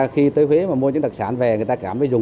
khi tới huế mà mua những đặc sản về người ta cảm thấy dùng